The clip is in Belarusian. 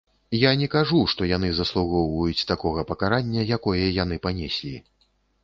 Я не кажу, што яны заслугоўваюць такога пакарання, якое яны панеслі.